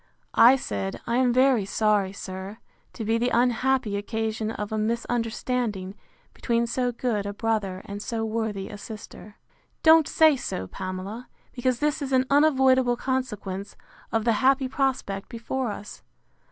I said, I am very sorry, sir, to be the unhappy occasion of a misunderstanding between so good a brother and so worthy a sister. Don't say so, Pamela, because this is an unavoidable consequence of the happy prospect before us.